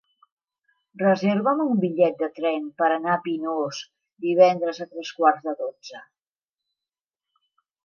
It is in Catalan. Reserva'm un bitllet de tren per anar a Pinós divendres a tres quarts de dotze.